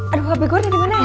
aduh hp gua dari mana